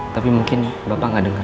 tapi mungkin bapak gak denger